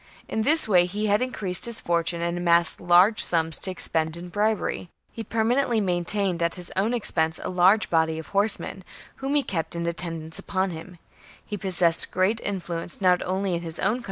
In this way he had increased his fortune and amassed large sums to expend in bribery ; he permanently maintained at his own expense a large body of horsemen, whom he kept in attendance upon him ; he possessed great influence not only in his own i6 CAMPAIGNS AGAINST THE book 58 B.C.